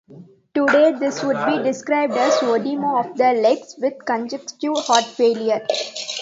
Today, this would be described as oedema of the legs, with congestive heart failure.